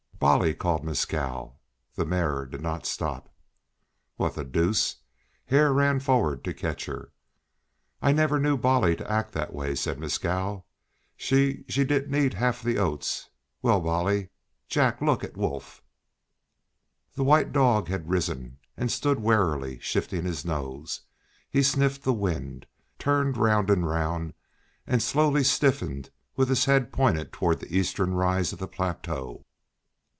"Bolly!" called Mescal. The mare did not stop. "What the deuce?" Hare ran forward to catch her. "I never knew Bolly to act that way," said Mescal. "See she didn't eat half the oats. Well, Bolly Jack! look at Wolf!" The white dog had risen and stood warily shifting his nose. He sniffed the wind, turned round and round, and slowly stiffened with his head pointed toward the eastern rise of the plateau.